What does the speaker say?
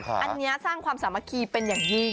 อันนี้สร้างความสามัคคีเป็นอย่างยิ่ง